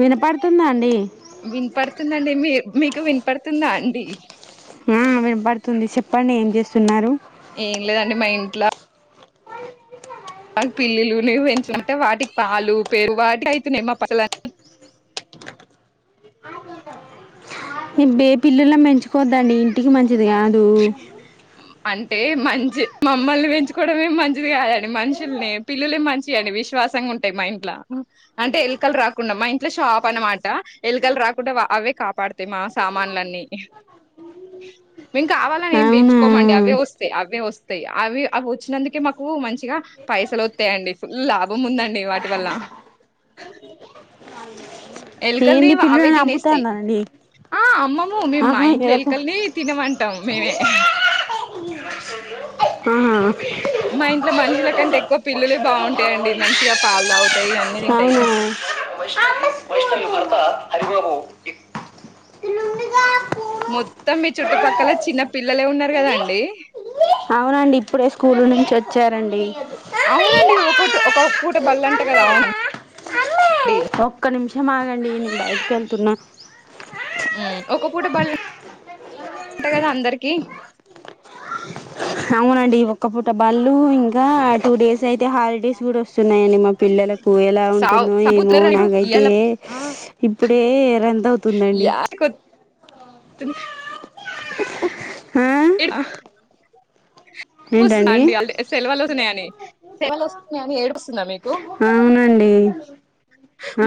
వినపడుతుందా అండి విన్పడుతుందండి మీ మీకు వినపడుతుందా అండి ఇ మ్ వినపడుతుంది చెప్పండి ఏం చేస్తున్నారు ఏం లేదండి మా ఇంట్లో పిల్లిలు పెంచుంకుంటే వాటికి పాలు పేరుగో వాటికే అయితున్నాయి పక్కలన్న ఏ పిల్లులు పెంచుకోవద్దండి ఇంటికి మంచి అంటే మంచి మమ్మల్ని పెంచుకోవడమే మంచిది కాదండి మనుషుల్ని పిల్లలే మంచిదండి విశ్వాసంగా ఉంటాయి మా ఇంట్లో అంటే ఎలుకలు రాకుండా మా ఇంట్లో షాప్ అనమాట ఎలుకలు రాకుండా అవే కాపాడతాయి మా సామాన్లన్నీ మేం కావాలని ఏం అవునా పెంచుకోమండి అవే వస్తాయి్ అవే వస్తాయి అవి అవి వచ్చినందుకే మాకు మంచిగా పైసలు వస్తాయిండి ఫుల్ లాభం ఉందండి వాటి వల్ల ఎలుకల్ని ఏంది ఆవే పిల్లులను తినేస్తాయి అమ్ముతానండి ఆ అమ్మము మేము మా ఆహా ఇంట్లో ఇదొక ఎలుకల్ని తినమంటాం మేమే ఆ మా ఇంట్లో మనుషుల కంటే ఎక్కువ పిల్లులే బావుంటాయండి మంచిగా పాలు తాగుతాయి అన్ని తింటాయి అవునా వైష్ణవి భర్త హరిబాబు మొత్తం మీ చుట్టుపక్కల చిన్న పిల్లలే ఉన్నారు కదండి అవునండి ఇప్పుడే స్కూల్ నుంచి వచ్చారండి అ బళ్ళ అంట కదా అవును డి ఒక నిమిషం ఆగం డి నేను బయటికెళ్తున్న హ్మ్ ఒక పూట బళ్ళంట కదా అందరికి అవునండి ఒక్క పూట బళ్ళు ఇంకా టూడేస్ అయితే హాలిడేస్ కూడా వస్తున్నాయండి మా పిల్లలకు ఎలా సావు ఉంటుందో ఏమో సంపుతున్నారు నాకైతే ఇయ్యాల ఆ ఇప్పుడే రంత అవుతుందండి తుని ఆ ఏడు వస్తున్నా ఏంటండి అండి వాళ్ సెలవలు వస్తున్నాయని శెలవలు వస్తున్నాయని ఏడుపోస్తుందా మీకు అవునండి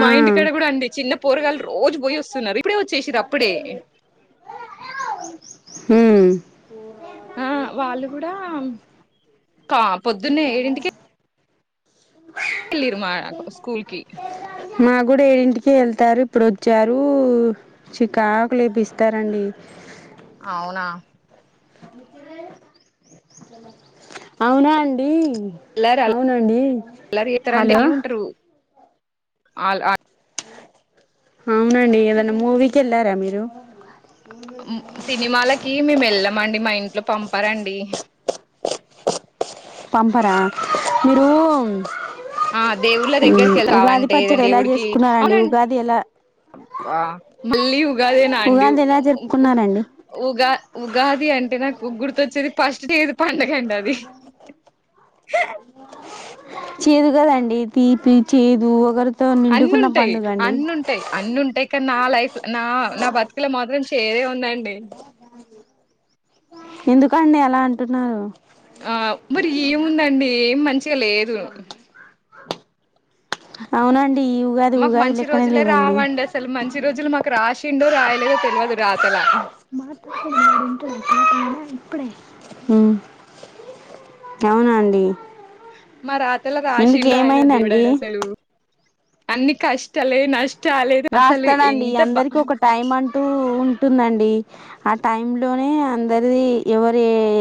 ఆ ఇంటికాడ కూడా అండి చిన్న పోరగాలు రోజూ పోయి వస్తున్నారు ఇప్పుడే వచ్చేసిరు అప్పుడే హ్మ్ ఆ వాళ్ళు కూడా కా పొద్దున్నే ఏడింటికి ఇళ్లిరు మాకు స్కూల్ కి నా క్కూడా ఏడింటికి వెళ్తారు ఇప్పుడు వచ్చారు చికాకు లేపిస్తారండి అవునా అవునా అండి అల్లరి అవునండి హలో ఆల్ ఆ అవునండి గద మూవీ కి వెళ్ళారా మీరు వెళ్లమండి మా ఇంట్లో పంపరండి పంపరా మీరూ ఆ దేవుళ్ల దగ్గరికి వెళ్ళి రావాలంటే పచ్చడి ఏదండి ఎలా దేవుడికి చేసుకున్నారండి అవునండి ఉగాది ఎలా అబ్బ మళ్ళీ ఉగాదేనా అండి ఉగాది ఎలా జరుపుకున్నారండి ఉగా ఉగాది అంటే నాకు గుర్తొచ్చేది ఫస్టు పండగకి అది చె చేదు కదండి తీపి చేదు వగరు అన్ని ఉంటాయి అన్ని ఉంటాయి అన్ని ఉంటాయి కదా నా లైఫ్ నా నా బతుకలో మాత్రం చేదే ఉందండి ఎందుకండి ఎలా అంటున్నారు ఆ మరి ఏముందండి ఏ [unintelligible] మంచిగా లేదు అవునం మాకు మంచి రోజులే రావండి అసలు మంచి రోజులు మాకు రాసి తిండొ రాయలేదో తెల్వదు రాతలా మ్ అవునా అండి మా రాతలా ఎందుకు రాసిం రాయలా దేవుడా ఏమైందండి అడి అసలు అన్ని కష్టలే నష్ట రాస్తాడండి అందరికి ఒక టైమ్ అంటూ టుందండి ఆ టైంలోనే అందరిది ఎవరు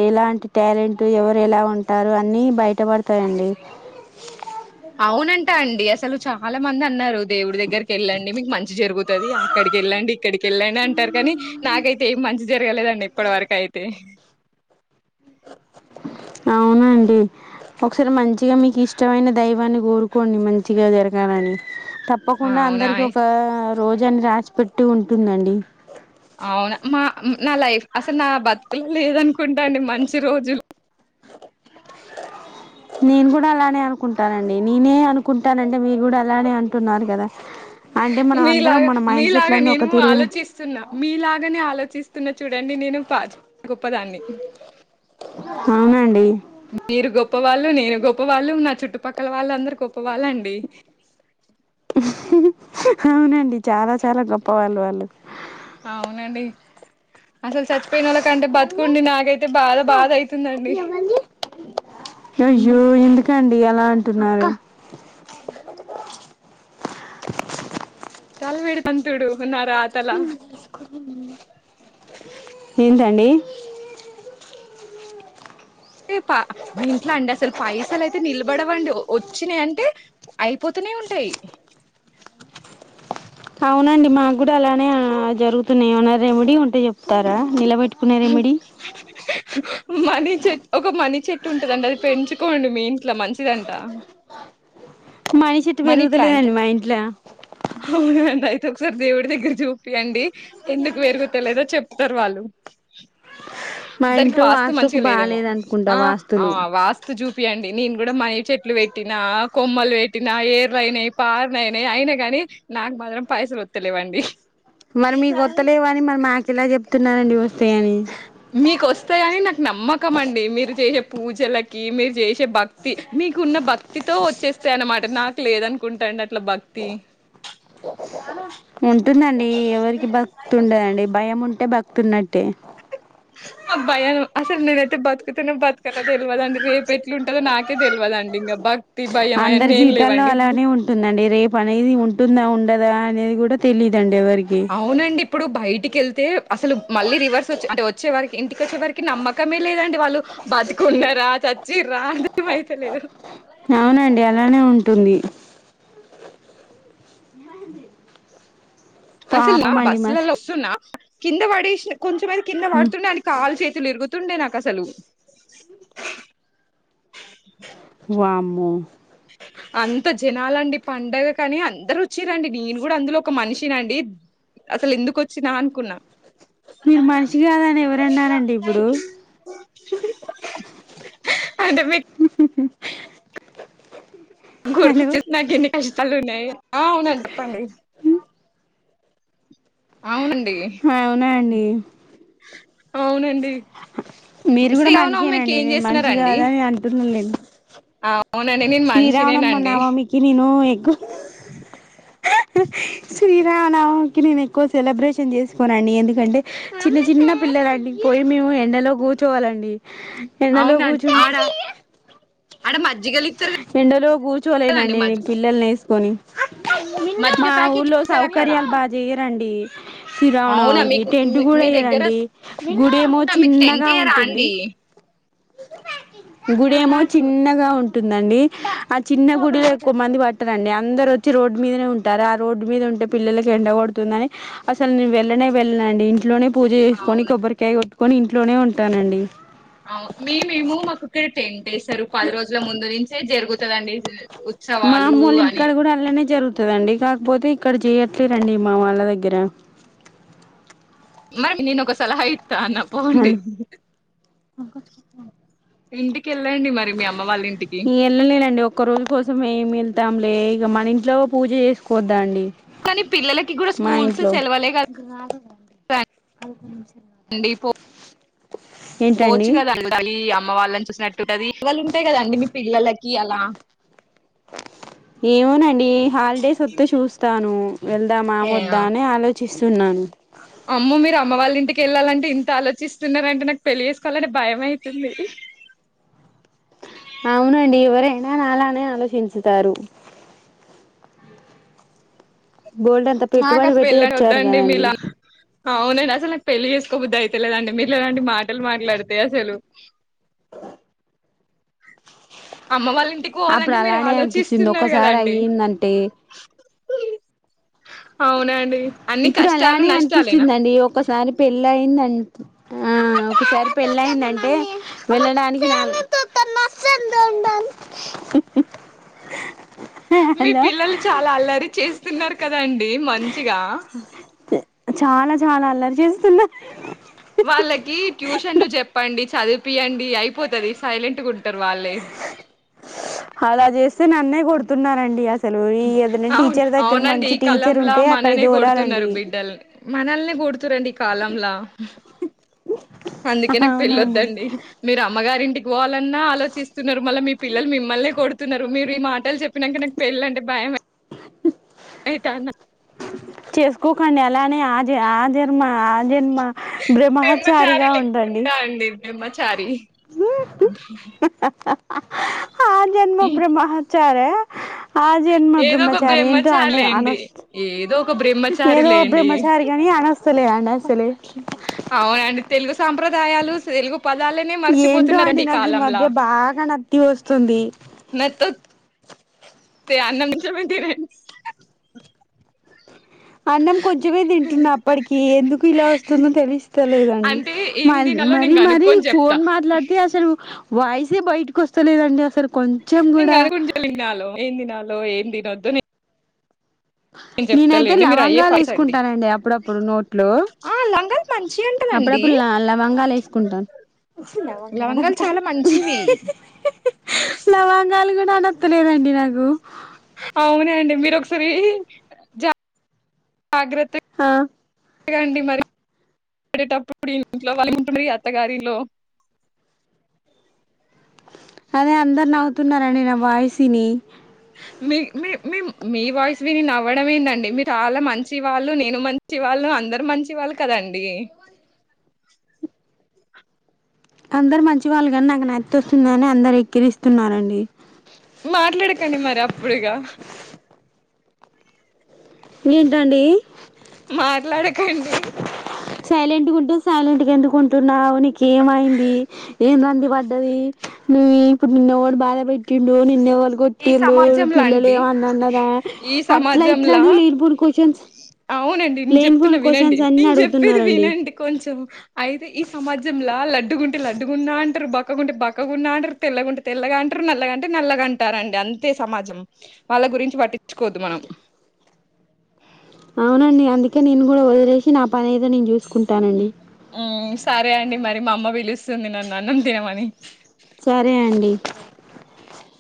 ఎలాంటి టాలెంట్ ఎవరు ఎలా ఉంటారు అన్నీ బయటపడతాయండి అవునంటా అండి అసలు చాలా మంది అన్నారు దేవుడి దగ్గరికి వెళ్ళండి మీకు మంచి జరుగుతది అక్కడికి వెళ్ళండి ఇక్కడికి వెళ్ళండి అంటారు కానీ నాకైతే ఏమి మంచి జరగలేదండి ఇప్పటి వరక అయితే అవునండి ఒకసారి మంచిగా మీకు ఇష్టమైన దైవాన్ని కోరుకోండి మంచిగా జరగాలని తప్పకుండా అవునా అందరికి ఒక రోజని రాసి పెట్టి ఉంటుందండి అవునా మా నా లైఫ్ అసలు నా బతుకులు లేదనుకుంటా అండి మంచి రోజులు నేను కూడా అలానే అనుకుంటానండి నేనే అనుకుంటానంటే మీ కూడా అలానే అంటున్నారు కదా అంటే మనం అందరం మీలాగా మన మైండ్ మీలాగ సెట్లన్నీ నేను ఒక తిరుగు ఆలోచిస్తున్నా మీలాగనే ఆలోచిస్ తున్నా చూడండి నేను పా గొప్పదాన్ని అవునండి మీరు గొప్పవాళ్ళు నేను గొప్పవాళ్ళు నా చుట్టుపక్కల వాళ్ళందరూ గొప్పవాళ్ళండి [unintelligible] అవునండి చాలా చాలా గొప్పవాళ్ళు వాళ్ళు అవునండి అసల్ చచ్చిపోయిన్నోళ్ళకంటే మమ్మీ బతుకుండి నాకైతే బాధ అక్క బాధైతుందండి ఎవరిది కండి ఎలా అంటున్నారు తల్ పెడ్తామ్ తుడు నాక్ రాతలా ఏంటండి హే పా మా ఇంట్లో అండసలు పైసలై త్ నిలబడవండి వచ్చినాయంటే అయిపోతూనే ఉంటాయ్ అవునండి మాక్ కూడా అలానే జరుగు తున్నాయ్ ఏమన్నా రెమిడీ ఉంటే చెప్తారా నిలబెట్ [unintelligible] మనీ చెట్ ఒక మనీ చెట్టు ఉంటదండి అది పెంచుకోండి మీ ఇంట్లో మంచిదంట మనీసెట్టు మనీ ప్లాంట్ పెరుగుతాలేదండి మాఇంట్ల అవునండి అయితే ఒక్సారి దేవుడి దగ్గర జూపియండి ఎందుకు పెరుగుతాలేదో చెప్తార్ వాళ్ళు మా హ్ దానికి ఇంట్లో వాస్తు వాస్తుకు మంచిగా లేదేమో బాలేదు అనుకుంటా ఆ అ వాస్తులు వాస్తు జూప్ పియండి నేను కూడా మనీ చెట్లు వెట్టినా కొమ్మలు పెట్ట్ టిన ఎర్లైనయ్ పార్లయ్నై అయినా గాని నాకు మాత్రం పైసలు ఒత్తలేవండి మరి మీకొత్తలేవని మరి మాకు కెలా చెప్తున్నారండి వస్తాయని మీకోస్తాయని నాకు నమ్మకమ్మాన్డి మీరు చేసే పూజలక్ కి మీరు చేసే భక్తి మీకున్న భక్తితో వచ్చేస్తాయ్ అనమాట నాకు లేదనుకుంటండీ అట్లా భక్తి ఉంటుందండి ఎవరికి భక్తుండదండి భముంటే భక్తున్నట్టే అ భయం అసల్ నేన్ ఎట్ ట్ బతుక్తానో బతకానో తెల్వదండి రేపేట్లుంటాదో నాకే తెల్వదండి ఇంగ బక్ హ్ అందరి జీవితాల్లో అలానే ఉంటుందండి రేపానేది ఉంటుందా ఉండ్ డదా అనేది కూడా తెలీద్ దండి అవునండి ఇప్పుడు బయటికెల్త్ తే అసలు మళ్ళీ రివర్సొచ్చే అంటే వచ్చే వరికి ఇంటికి వచ్చే వరికి నమ్మకమే లేదండి వాళ్ళు బతుకున్నారా చచ్చిన్రా అర్ధమైతలేదు అవునండి అలానేవుంటుంది అస్ ల న పాపం అండి మస్ బస్లలలో వస్తున్న కింద పడేస్న్ కొంచమైతే కింద హ్మ్ పడుతుండే ఆని కాల్ చేయ్ తులిరుగుతుండే నాకసలు వామ్ మా అంత జనాలండి పండగ కానీ అందరు వచ్చిరండి నేను కూడా అందులో ఒక మనిషినండి అసలు ఎందుకు వచ్చినా అనుకున్నా మీరు మనిషి కాదని ఎవరన్నారండి ఇప్పుడు అంటే మీ హలో గుడుకుచ్చస్తు నాగే షితాలు ఉన్నాయి ఆ అవున చెప్పండి అవునండి ఆ అవునాండి అవునండి మీరు కూడా శ్రీరామనవమికి మనిషేనండి ఏం నేను మనిషి చేస్తున్నారండి కాదా అని అంటున్నానులేండి అవునండి నేను శ్రీరావనమ్మ మనిషినేనండి నామామికి నేను ఎక్కువ శ్రీరాణకి నేను ఎక్కువ సెలబ్రేషన్ చేసుకోనండి ఎందుకంటే చిన్న చిన్న పిల్లలండి పోయి మేము ఎండలో కూర్చోవాలండి ఎన లో చు అడే మ ఎంటరు కూర్చువలయి అండి మజ్జి పల్ల్ న కొనీ మజ్జిగ మా ప్యాకెట్ ఊర్లో ఇస్తారు అక్కడ సౌకర్యాలు బాగా చేయరండి అవునా సిరావణనికి మీకు టెంట్ మీ కూడా మీ దగ్గర వేయరండి గుడేమో అవునా మీకు టెంట్ చిన్నగా ఎయ్యరా ఉంటుంది అండి గుడేమో చిన్నగా ఉంటుందండి ఆ చిన్న గుడిలో ఎక్కువ మంది పట్టారంండి అందరు వచ్చి రోడ్డు మీదనే ఉంటారు ఆ రోడ్డు మీద ఉంటే పిల్లలకి ఎండగడుతుందని అసలు నేను వెళ్ళనే వెళ్ళనండి ఇంట్లోనే పూజ చేసుకోని అవునా కొబ్బరికాయ కొట్టుకొ ఇంటి ఇంట్లోనే ఉంటానండి అ మే మేము మాకుక్కడ టెన్ డేస్ పది రోజుల ముందు నుంచే జరుగు చెద అండి మామ్మూలు ఇంటికాడ కూడా అల్లానే జరుగుతు వస్తుదండి కాకపోతే ఇక్కడ చేయట్లేరండి మా వాళ్ళ దగ్గర మరిమ నేను ఒకస సల అయి తాన పోండి కొకకు ఇంటి ఈ వెల్ళలేలండి ఒక్క రోజు కోసం మేమి వెళ్తాం ఇక మన ఇంట్లో పూజ చేసుకోవద్దా అండి కానీ పిల్లలకి కూడా మా స్కూల్స్ ఇంట్లో సెలవలే కదాండి పో ఏంటండి పోర్చుగల్ అ అమ్మ వాళ్ళని చూసినట్టుంటంది ఇవళ ఉంటాయి కదండి నీ పిల్లలకి అలా ఏమోనన్ ఇ హాలిడేస్ వత్తే చూస్తాను వెళ్దామా ఏ వద్దా అని ఆలోచ చిస్తున్నాను అమ్మో మీరు అమ్మ వాళ్ళ ఇంటికి వెళ్ళాలంటే ఇంత ఆలోచిస్తున్నారంటే నాకు పెళ్లి చేసుకోవాలంటె భయం అయితుంది అవునండి ఎవరైనా అలానే ఆలోచించుతారు బోల్డంత నాకు పెట్టుబడి అసలు పెట్టి పెళ్ళని వచ్చారు వద్దండి కదండి మీలా అవునండి అసలు నాకు పెళ్లి చేసుకోబుద్ధి అయితేలేదండి మీరు ఇలాంటి మాటలు మాట్లాడితే అసలు అమ్మ వాళ్ళ ఇంటికి అప్పుడు పోవాలంటే మీరు అలానే అనిపిస్తుంది ఆలోచిస్తున్నారు ఒకసారి అయ్యిందంటే అవునాండి ఇప్పుడు అలానే అనిపిస్తుందండి ఒకసారి పెళ్లి అయిందం ఆ ఒకసారి పెళ్ళయిందింటే వెళ్ళడానికి హుహు మీ పిల్లలు చాలా అల్లరి చేస్తున్నారు కదాండి మంచిగా చాలా చాలా అల్లరి చేస్తున్న హ్ చదివిపియండి అయిపోతది సైలెంట్ గాఉం టర్ వాళ్లే సే నన్నే కొడుతున్నారండి అస అవును అవునండి ఈ టీచర్ కాలంలొ ఉంటే అక్కడ మనల్నే దోలాలండి కొడుతున్నారు బిడ్డల్ని మనల్నే కొడుతురండి ఈ కాలంలా అందుకే నాకు అవునండి పెళ్ళొద్దండి మీరు అమ్మగారింటి పోవాలన్నా ఆలోచిస్తున్నారు మళ్ళీ మీ పిల్లలు మిమిల్నే కొడుతున్నారు మీరు ఈ మాటలు చెప్పినాక నాకు పెళ్ళ అంటే భయం అయితాంది చేసుకోకండి అలానే ఆ ఆర్ జన్మ ఆజన్మ బ్రహ్మచారి బ్రహ్మచారిగా ఉండండి లెక్కుగుంటా అండి బ్రహ్మచారి ఆ జన్మ బ్రహ్మచ సరే ఆ జన్మ ఏదో ఒక బ్రహ్మచారి ఏంటో అనే లేండి అనస్ ఏదో ఒక బ్రహ్మచారి ఏదో లేండి బ్రహ్మచారి కాని అనస్ సలే అం సలే అవునండి తెలుగు సాంప్రదాయాలు సీల్గు ఏంటో అండి నాకు ఈ మధ్య బాగా నత్తి వస్తుంది తె ఆనందించోబెట్టి అన్నం కొంచమే తింటున్న అప్పటికి ఎందుకు ఇలా వస్తుందో తెలిస్తలేదండి అంటే మ ఏం తినాలో మరి నేను మరి కనుక్కొని చెప్తా ఫోన్ మాట్లాడితే అసలు వాయిసే బయటకి వస్తలేదండి అసలు కొంచెం నింగ కూడా అది గుంచలినళ ఏందినాలు హలో ఏం తినొద్దుని నేనైతే మీరు అయ్యే లవంగాలు ఫాస్ట్ అండి వేసుకుంటానండి అప్పుడప్పుడు నోట్లు ఆ లంగాలు మంచిగ ఉంటదండి అప్పుడప్పుడు లవంగాలు వేసుకుంటానుల లవంగాలు చాలా మంచివి లవాంగాలు కూడా అనత్తలేదండి నాకు అవున అండి మీరు ఒకసారి జాగ్రత్త ఆ అగాండి మరి పడేటప్పుడు ఇంట్లో వాళ్ళ ఉంటున్నారు అత్తగారిలో అదే అందరు నవ్వుతున్నారండి నా వాయసుని మీ మే మీ వాయిస్ విని నవ్వడం ఏందండి మీరు వాళ మంచివాళ్ళు నేను మంచి వాళ్ళు అందరు మంచివాళ్ళు కదండి అందరు మంచి వాళ్ళు కాని నాకు నతి వస్తుందిని అందరు ఎక్కిరిస్తున్నారండి మాట్లాడకండి మరి అప్పుడుగా ఏంటండి మాట్లాడకండి సైలెంట్గా ఉంటే సైలెంట్గా ఎందుకు కొంటున్నావు నీకేమైంది ఏం రంది పడ్డది నువ్వు ఇప్పుడు నిన్నె వాడు బాధ పెెట్టిండు నిన్నెవ ఈ కొట్టిళ సమాజం పిల్లలు లాంటి ఏవన్నాన్నార ఈ అట్లా ఇట్లా సమాజంలా అనే లేనిపోని క్వశ్చన్స్ అవునండి నేను చెప్తున్నా లేనిపోని వినండి క్వశ్చన్స్ అన్ని నేను చెప్పేది అడుగుతున్నారండి వినండి కొంచెం అయితే ఈ సమాజంలా లడ్డుకుంటే లడ్డుగున్నా అంటారు బక్ బక్క గుంటే బక్క గున్న అంటరు తెల్గుంట తెల్గా అంటారు నల్లగా అంటే నల్లగా అంటారు పట్టారండి అంతే సమాజం వాళ్ళ గురించి పట్టించుకోద్దు మనం అవునండి అందుకే నేను కూడా వదిలేసి నా పని ఏదో నేను చూస్ కుంటానండి ఉమ్, సరే అండి మరి మా అమ్మ పిలుస్తుంది నన్ను అన్నం తినమని సరే అండి